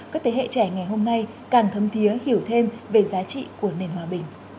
các thế hệ trẻ ngày hôm nay càng thấm thiế hiểu thêm về giá trị của nền hòa bình